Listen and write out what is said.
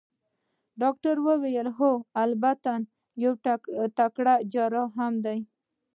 ډاکټر وویل: هو، البته دی یو تکړه جراح هم دی.